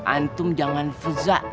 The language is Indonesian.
antum jangan fuzak